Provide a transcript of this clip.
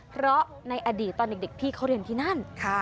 เพราะในอดีตตอนเด็กพี่เขาเรียนที่นั่น